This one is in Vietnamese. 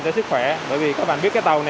cho sức khỏe bởi vì các bạn biết cái tàu này